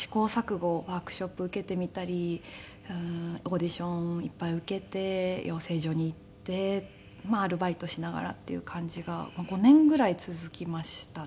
ワークショップ受けてみたりオーディションいっぱい受けて養成所に行ってアルバイトしながらっていう感じが５年ぐらい続きましたね。